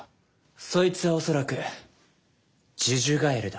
そいつは恐らく呪々ガエルだ。